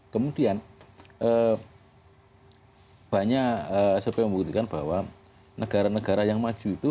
kemudian banyak saya mau buktikan bahwa negara negara yang maju itu